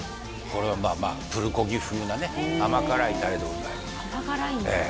これはまあまあプルコギ風なね甘辛いタレでございます甘辛いんだええ